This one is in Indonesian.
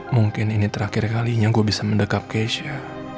mungkin ini terakhir kalinya gue bisa mendekat cash nya